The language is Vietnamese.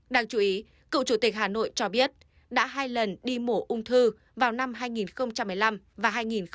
đáng chú ý cựu chủ tịch hà nội cho biết đã hai lần đi mổ ung thư vào năm hai nghìn một mươi năm và hai nghìn một mươi bảy